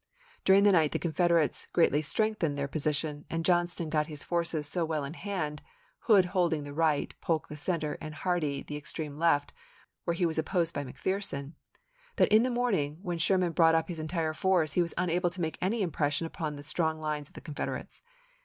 During the night the Confederates greatly strengthened their position, and Johnston got his forces so well in hand — Hood holding the right, Polk the center, and Hardee the extreme left, where he was opposed by McPherson — that in the morning, when Sherman brought up his entire force, he was unable to make any impression upon the strong lines of the Confederates.